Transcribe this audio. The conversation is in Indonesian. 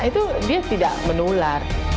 itu dia tidak menular